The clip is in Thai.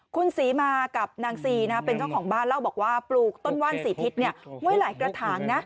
คุณศรีมากับนางซีเป็นเจ้าของบ้านเล่าบอกว่าปลูกต้นว่านสีทิศไว้หลายกระถางนะ